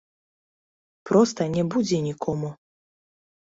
Проста не будзе нікому.